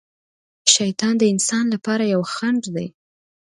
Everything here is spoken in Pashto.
شیطان د انسان لپاره یو خڼډ دی.